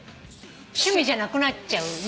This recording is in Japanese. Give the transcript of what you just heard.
趣味じゃなくなっちゃうよね。